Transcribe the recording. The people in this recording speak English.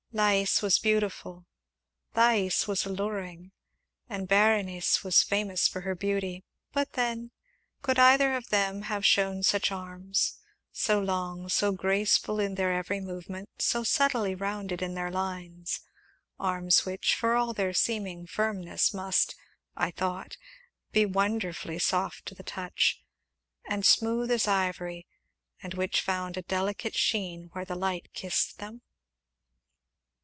Lais was beautiful, Thais was alluring, and Berenice was famous for her beauty, but then, could either of them have shown such arms so long, so graceful in their every movement, so subtly rounded in their lines, arms which, for all their seeming firmness, must (I thought) be wonderfully soft to the touch, and smooth as ivory, and which found a delicate sheen where the light kissed them?